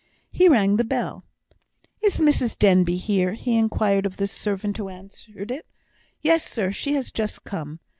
He rang the bell. "Is Mrs Denbigh here?" he inquired of the servant who answered it. "Yes, sir; she is just come."